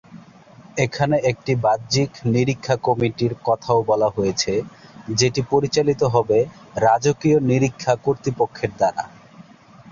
এখানে একটি বাহ্যিক নিরীক্ষা কমিটির কথাও বলা হয়েছে যেটি পরিচালিত হবে রাজকীয় নিরীক্ষা কর্তৃপক্ষের দ্বারা।